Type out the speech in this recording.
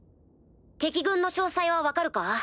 敵軍の詳細は分かるか？